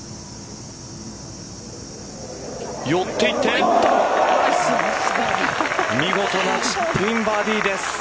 寄っていって見事なチップインバーディーです。